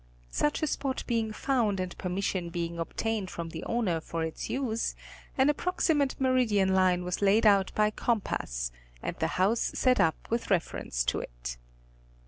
Such a spot being found and permission being obtaimed from the owner for its use, an approxi mate meridian line was laid out by compass, and the house set up with reference to it.